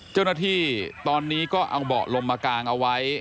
เจ้าหน้าที่ตอนนี้ก็เอาเบาะลมมากางเอาไว้